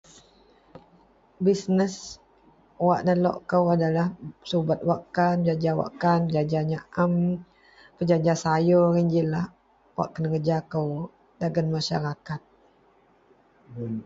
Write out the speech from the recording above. Bisnes wak da lok kou adalah subet wakkan jaja wakkan jaja nyaam pejaja sayor. Iyen ji lah wak kenerja kou dagen masarakat.